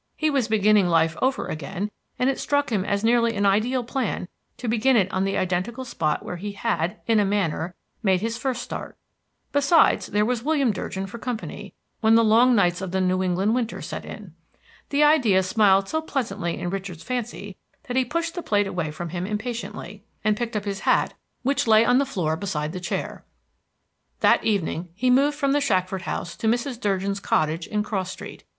He was beginning life over again, and it struck him as nearly an ideal plan to begin it on the identical spot where he had, in a manner, made his first start. Besides, there was William Durgin for company, when the long nights of the New England winter set in. The idea smiled so pleasantly in Richard's fancy that he pushed the plate away from him impatiently, and picked up his hat which lay on the floor beside the chair. That evening he moved from the Shackford house to Mrs. Durgin's cottage in Cross Street.